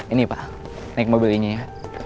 ini pak naik mobil ini ya